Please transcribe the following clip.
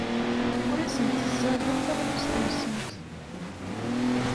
Ur asent-ẓẓadeɣ taɣlust-nsent.